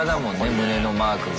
胸のマークが。